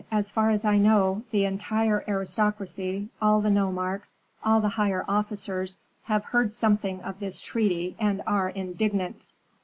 As far as I know, the entire aristocracy, all the nomarchs, all the higher officers have heard something of this treaty and are indignant.